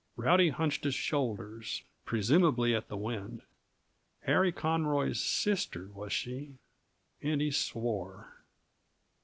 Rowdy hunched his shoulders presumably at the wind. Harry Conroy's sister, was she? And he swore.